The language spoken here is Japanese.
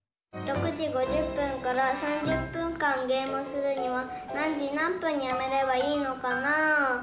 ６時５０分から３０分間ゲームするには何時何分にやめればいいのかなぁ？